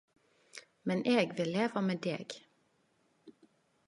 Men eg vil leva med deg